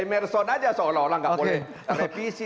emerson aja seolah olah nggak boleh revisi